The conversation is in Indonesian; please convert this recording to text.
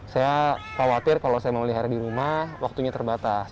saya khawatir kalau saya memelihara di rumah waktunya terbatas